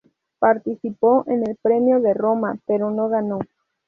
Participó en el Premio de Roma, pero no ganó.